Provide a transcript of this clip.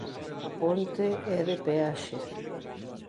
A ponte é de peaxe.